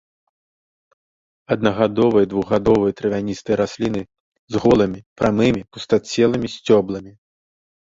Аднагадовыя і двухгадовыя травяністыя расліны з голымі, прамымі, пустацелымі сцёбламі.